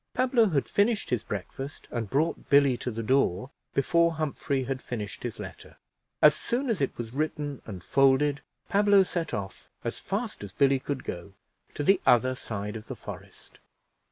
Pablo had finished his breakfast and brought Billy to the door, before Humphrey had finished his letter. As soon as it was written and folded, Pablo set off, as fast as Billy could go, to the other side of the forest.